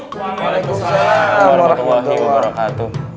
wa'alaikumsalam warahmatullahi wabarakatuh